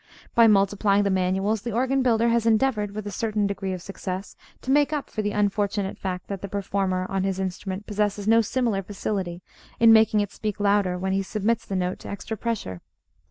By multiplying the manuals, the organ builder has endeavoured, with a certain degree of success, to make up for the unfortunate fact that the performer on his instrument possesses no similar facility in making it speak louder when he submits the note to extra pressure.